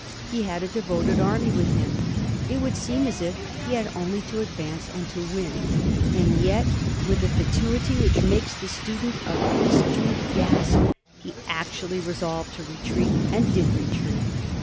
He had a devot ed army with him — ^it would seem as if he had only to ad vance and to win — and yet, with a fatuity which makes the student of history gasp, he actually resolved to retreat, and did retreat.